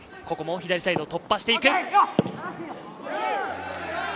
ここも左サイドを突破していく。